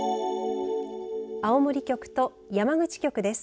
青森局と山口局です。